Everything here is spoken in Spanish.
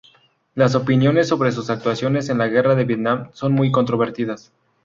Las opiniones sobre su actuación en la guerra de Vietnam son muy controvertidas.